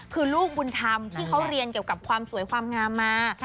คือลูกบุญธรรมที่เขาเรียนเกี่ยวกับความสวยความงามมา